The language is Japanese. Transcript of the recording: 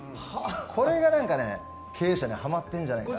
これが、経営者にはまってるんじゃないかなと。